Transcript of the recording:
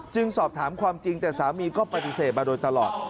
สอบถามความจริงแต่สามีก็ปฏิเสธมาโดยตลอด